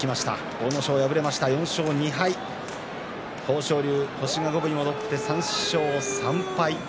阿武咲、敗れて４勝２敗豊昇龍、星が五分に戻って３勝３敗。